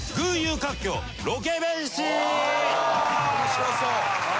面白そう。